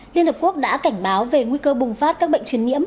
liên hợp quốc đã cảnh báo về nguy cơ bùng phát các bệnh truyền nhiễm